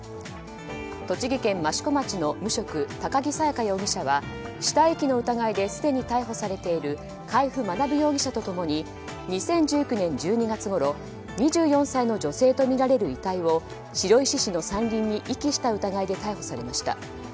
栃木県益子町の無職、高木沙耶花容疑者は死体遺棄の疑いですでに逮捕されている海部学容疑者と共に２０１９年１２月ごろ２４歳の女性とみられる遺体を白石市の山林に遺棄した疑いで逮捕されました。